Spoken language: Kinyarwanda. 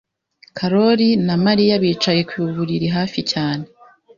Karoli na Mariya bicaye ku buriri hafi cyane.